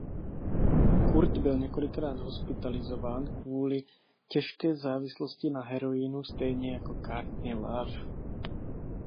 Kurt byl několikrát hospitalizován kvůli těžké závislosti na heroinu stejně jako Courtney Love.